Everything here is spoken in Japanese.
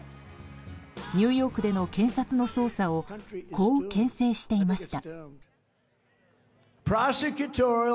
ニューヨークでの検察の捜査をこう牽制していました。